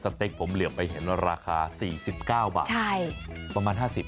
เต็กผมเหลือไปเห็นราคา๔๙บาทประมาณ๕๐บาท